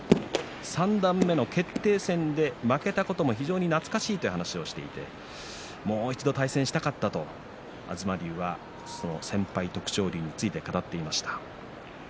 三段目の決定戦で負けたことも非常に懐かしいという話をしていてもう一度対戦したかったと東龍は先輩、徳勝龍について語っていました。